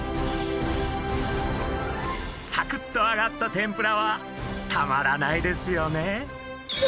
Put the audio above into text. サクッとあがった天ぷらはたまらないですよね。